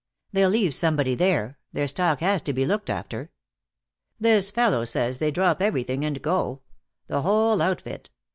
"They'll leave somebody there. Their stock has to be looked after." "This fellow says they drop everything and go. The whole outfit.